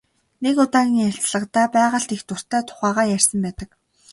Нэг удаагийн ярилцлагадаа байгальд их дуртай тухайгаа ярьсан байдаг.